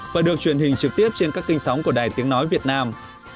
và được truyền hình trực tiếp trên các kênh sóng của đài tiếng nói việt nam